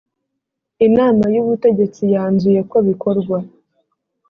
inama y ubutegetsi yanzuye ko bikorwa